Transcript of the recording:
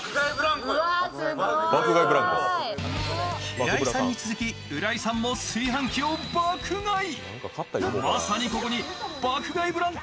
平井さんに続き浦井さんも炊飯器を爆買い。